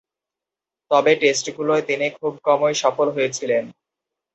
তবে, টেস্টগুলোয় তিনি খুব কমই সফল হয়েছিলেন।